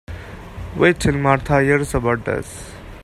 Wait till Martha hears about this.